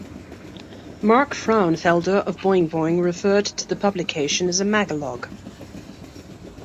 Mark Frauenfelder of Boing Boing referred to the publication as a magalog.